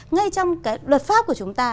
ngay trong cái luật pháp của chúng ta